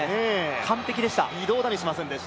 完璧でした。